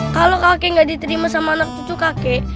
kalau kakek gak diterima sama anak cucu kakek